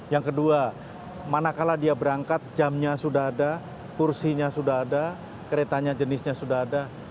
yang kedua manakala dia berangkat jamnya sudah ada kursinya sudah ada keretanya jenisnya sudah ada